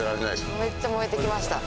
めっちゃ燃えてきました